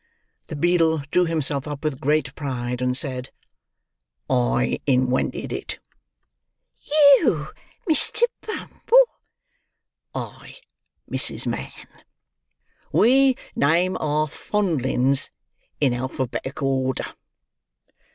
The beadle drew himself up with great pride, and said, "I inwented it." "You, Mr. Bumble!" "I, Mrs. Mann. We name our fondlings in alphabetical order.